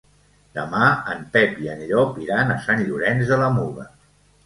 Demà en Pep i en Llop iran a Sant Llorenç de la Muga.